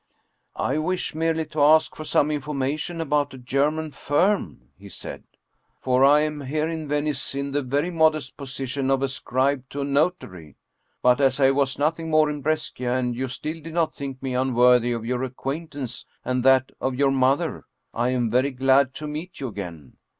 " I wish merely to ask for some information about a German firm," he said. " For I am here in Venice in the very modest position of scribe to a notary. But as I was nothing more in Brescia, and you still did not think me unworthy of your acquaintance and that of your mother, I am very glad to meet you again.